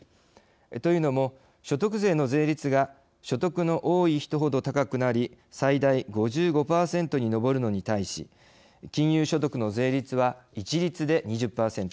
というのも、所得税の税率が所得の多い人ほど高くなり最大５５％に上るのに対し金融所得の税率は一律で２０％。